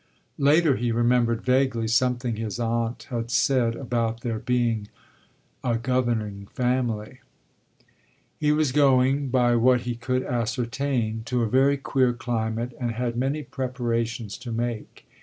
Later he remembered vaguely something his aunt had said about their being a governing family. He was going, by what he could ascertain, to a very queer climate and had many preparations to make.